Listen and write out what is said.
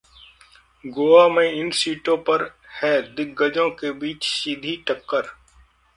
गोवा में इन सीटों पर है दिग्गजों के बीच सीधी टक्कर